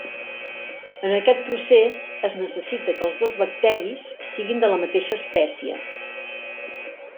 En aquest procés es necessita que els dos bacteris siguin de la mateixa espècie.